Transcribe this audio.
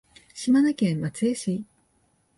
島根県松江市